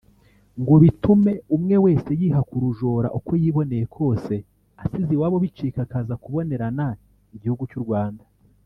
ngo bitume umwe wese yiha kurujora uko yiboneye kwose asize iwabo bicika akaza kubonerana igihugu cy’u Rwanda